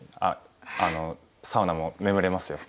あのサウナも眠れますよ。